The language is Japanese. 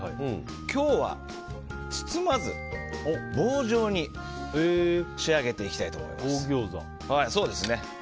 今日は包まず、棒状に仕上げていきたいと思います。